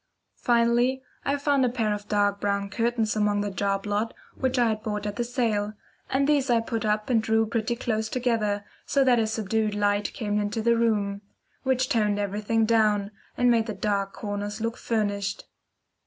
Finally, I found a pair of dark brown curtains among the job lot which I had bought at the sale, and these I put up and drew pretty close together, so that a subdued light came into the room, which toned everything down, and made the dark corners look furnished.